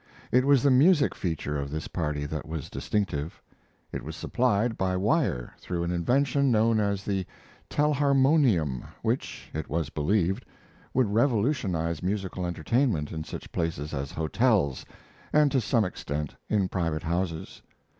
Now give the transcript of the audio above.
It was the music feature of this party that was distinctive; it was supplied by wire through an invention known as the telharmonium which, it was believed, would revolutionize musical entertainment in such places as hotels, and to some extent in private houses.